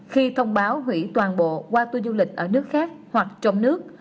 khi thông báo hủy toàn bộ qua tua du lịch ở nước khác hoặc trong nước